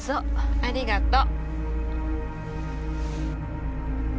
ありがとう。